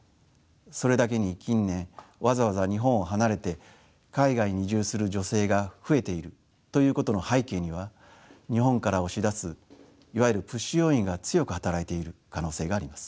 それだけに近年わざわざ日本を離れて海外に移住する女性が増えているということの背景には日本から押し出すいわゆるプッシュ要因が強く働いている可能性があります。